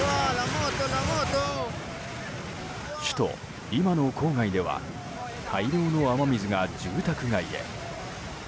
首都リマの郊外では大量の雨水が住宅街へ。